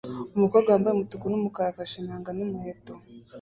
Umukobwa wambaye umutuku n'umukara afashe inanga n'umuheto